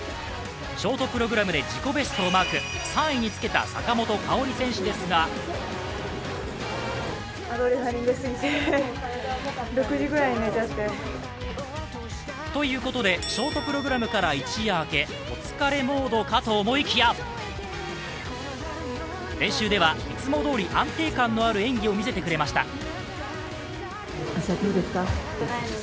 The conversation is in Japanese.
ショートプログラムで自己ベストをマーク、３位につけた坂本花織選手ですがということでショートプログラムから一夜明け、お疲れモードかと思いきや、練習ではいつもどおり安定感のある演技を見せてくれました。